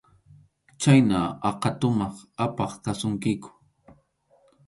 Chhayna aqha tumaq apaq kasunkiku.